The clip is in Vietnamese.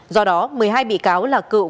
do đó một mươi hai bị cáo là cựu